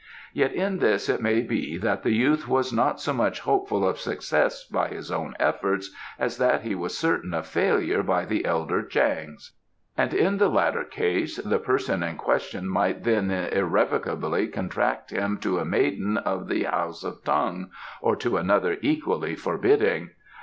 Yet in this it may be that the youth was not so much hopeful of success by his own efforts as that he was certain of failure by the elder Chang's. And in the latter case the person in question might then irrevocably contract him to a maiden of the house of Tung, or to another equally forbidding.